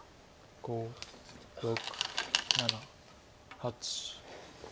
５６７８。